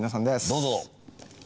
どうぞ！